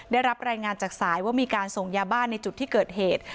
ได้รับรายงานจากสายว่ามีการส่งยาบ้านในจุดที่เกิดเหตุ